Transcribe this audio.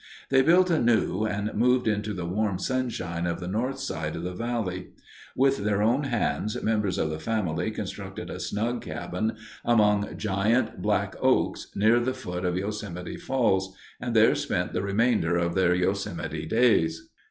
They built anew and moved into the warm sunshine of the north side of the valley. With their own hands members of the family constructed a snug cabin among giant black oaks near the foot of Yosemite Falls and there spent the remainder of their Yosemite days.